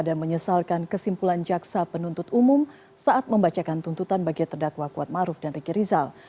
dan menyesalkan kesimpulan jaksa penuntut umum saat membacakan tuntutan bagi terdakwa kuatmaruf dan riki rizal